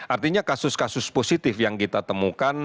artinya kasus kasus positif yang kita temukan